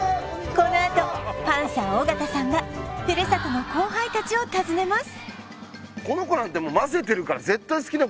このあとパンサー・尾形さんがふるさとの後輩達を訪ねます